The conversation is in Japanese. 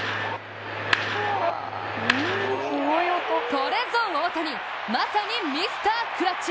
これぞ大谷、まさにミスタークラッチ。